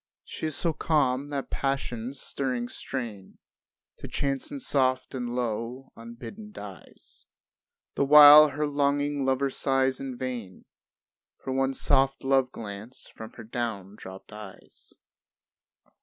She is so calm that Passion's stirring strain To chanson soft and low unbidden dies; The while her longing lover sighs in vain For one soft love glance from her down dropped eyes.